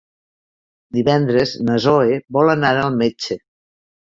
Divendres na Zoè vol anar al metge.